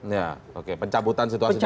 ya oke pencabutan situasi darurat